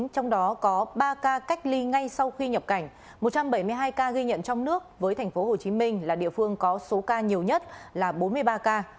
trong đó có ba ca cách ly ngay sau khi nhập cảnh một trăm bảy mươi hai ca ghi nhận trong nước với tp hcm là địa phương có số ca nhiều nhất là bốn mươi ba ca